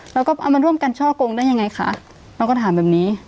แล้วก็เอามาร่วมกันช่อกงได้ยังไงคะเราก็ถามแบบนี้